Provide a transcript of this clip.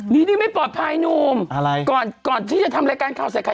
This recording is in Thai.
นี่ไม่ปลอดภัยหงุมก่อนที่จะทำรายการข่าวใส่ไข่